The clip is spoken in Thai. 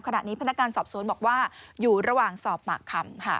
ขณะนี้พนักงานสอบสวนบอกว่าอยู่ระหว่างสอบปากคำ